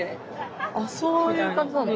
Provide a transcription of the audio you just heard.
あっそういう感じなんだ。